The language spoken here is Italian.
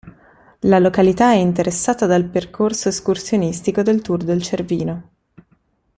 La località è interessata dal percorso escursionistico del Tour del Cervino.